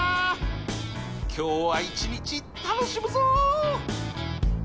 今日は一日楽しむぞー！